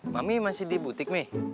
mami masih di butik nih